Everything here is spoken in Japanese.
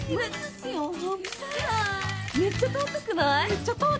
えっ。